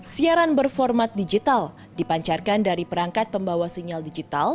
siaran berformat digital dipancarkan dari perangkat pembawa sinyal digital